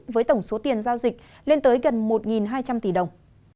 với tổng số tiền giao dịch lên tới gần một hai trăm linh tỷ đồng